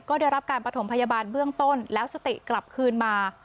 ก็ได้รับการประถมพยาบาลเบื้องต้นแล้วสติกลับคืนมา